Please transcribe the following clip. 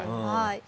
はい。